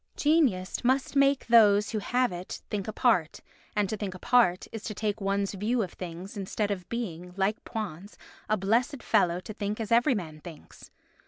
Genius must make those that have it think apart, and to think apart is to take one's view of things instead of being, like Poins, a blessed fellow to think as every man thinks.